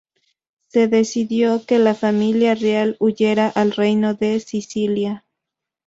Se decidió que la familia real huyera al Reino de Sicilia.